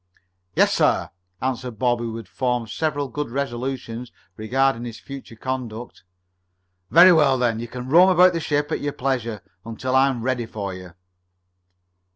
"Yes, sir," answered Bob, who had formed several good resolutions regarding his future conduct. "Very well, then. You can roam about the ship at your pleasure until I am ready for you."